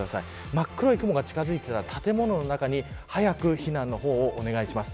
真っ黒い雲が近づいていたら建物の中に早く避難をお願いします。